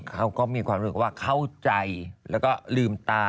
เขาก็มีความรู้สึกว่าเข้าใจแล้วก็ลืมตา